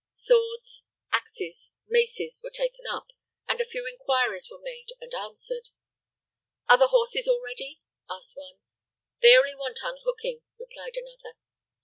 Swords, axes, maces were taken up, and a few inquiries were made and answered. "Are the horses all ready?" asked one. "They only want unhooking," replied another.